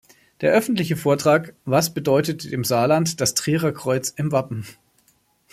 Der öffentliche Vortrag "Was bedeutet dem Saarland das Trierer Kreuz im Wappen?